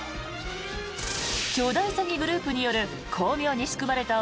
巨大詐欺グループによる巧妙に仕組まれた